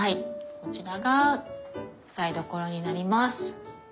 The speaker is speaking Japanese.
こちらが台所になります。